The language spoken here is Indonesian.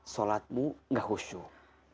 sholatmu nggak khusyuk